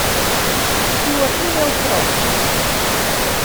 Stjoer e-mail troch.